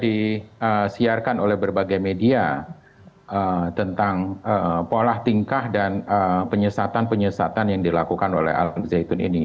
disiarkan oleh berbagai media tentang pola tingkah dan penyesatan penyesatan yang dilakukan oleh al zaitun ini